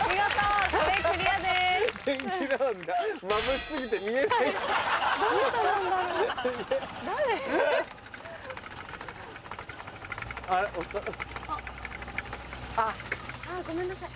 シ！ごめんなさい。